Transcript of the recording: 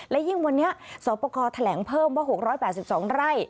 และยิ่งวันนี้สปกรแถลงเพิ่มว่า๖๘๒ไร่